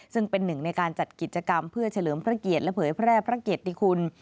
ซึ่งเป็นหนึ่งในการจัดกิจกรรมเพื่อเฉลิมพระเกียรติและเผยแพร่พระเกียรติคุณ